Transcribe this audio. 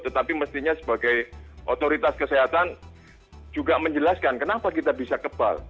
tetapi mestinya sebagai otoritas kesehatan juga menjelaskan kenapa kita bisa kebal